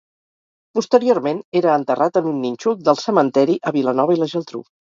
Posteriorment era enterrat en un nínxol del cementeri a Vilanova i la Geltrú.